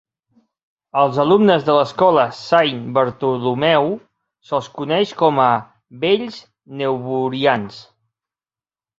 Als alumnes de l'escola Saint Bartholomew se'ls coneix com a "Vells newburians".